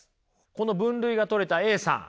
この分類が取れたＡさん。